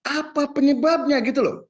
apa penyebabnya gitu loh